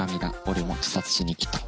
俺も自殺しに来た。